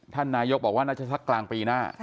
นายกบอกว่าน่าจะสักกลางปีหน้า